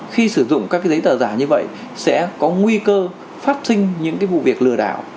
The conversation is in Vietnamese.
khi sử dụng các giấy tờ giả như vậy sẽ có nguy cơ phát sinh những vụ việc lừa đảo